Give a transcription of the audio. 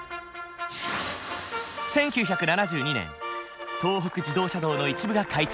１９７２年東北自動車道の一部が開通。